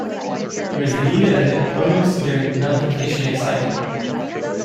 He was a leader of the opponents during the nullification excitement.